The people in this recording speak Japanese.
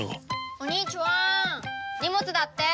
お兄ちゅわん荷物だって！